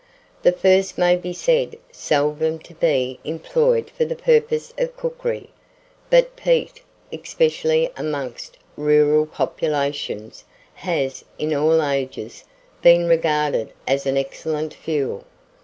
The first may be said seldom to be employed for the purposes of cookery; but peat, especially amongst rural populations, has, in all ages, been regarded as an excellent fuel.